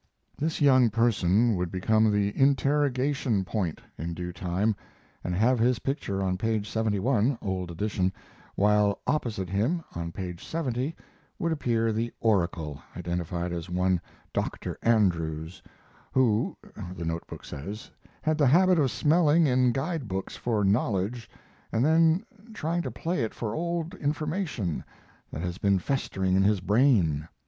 This young person would become the "Interrogation Point," in due time, and have his picture on page 71 (old edition), while opposite him, on page 70, would appear the "oracle," identified as one Doctor Andrews, who (the note book says) had the habit of "smelling in guide books for knowledge and then trying to play it for old information that has been festering in his brain."